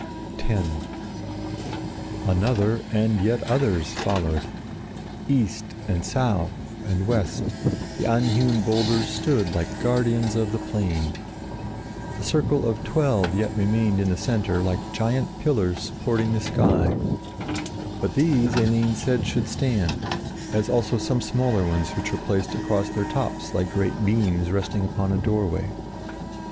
X Another and yet others followed. East and South and West the unhewn boulders stood like guardians of the plain. A circle of twelve yet remained in the center, like giant pillars supporting the sky. But these Eline said should stand, as also some smaller ones which were placed across their tops like great beams resting upon a doorway.